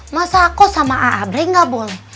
masa aku sama abra yang gak boleh